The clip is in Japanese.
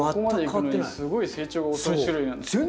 ここまでいくのにすごい成長が遅い種類なんですよ。